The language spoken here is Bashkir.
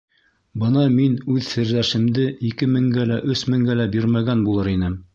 Бына мин үҙ серҙәшемде ике меңгә лә, өс меңгә лә бирмәгән булыр инем.